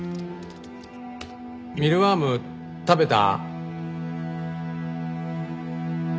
「ミルワーム食べた？」